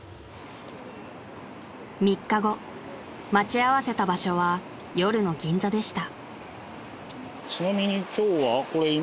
［３日後待ち合わせた場所は夜の銀座でした］